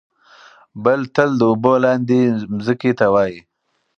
بل تل د اوبو لاندې ځمکې ته وايي.